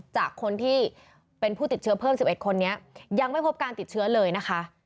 จากคนที่เป็นผู้ติดเชื้อเพิ่ม๑๑คนนี้ยังไม่พบการติดเชื้อเลยนะคะ